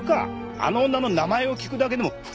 あの女の名前を聞くだけでも不愉快だ！